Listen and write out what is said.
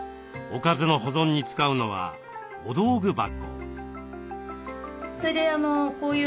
おかずの保存に使うのはお道具箱。